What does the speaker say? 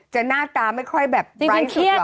จะหน้าตาไม่ค่อยแบบไลก์สุดกล่าง